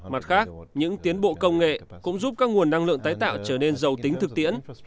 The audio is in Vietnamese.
mặt khác những tiến bộ công nghệ cũng giúp các nguồn năng lượng tái tạo trở nên giàu tính thực tiễn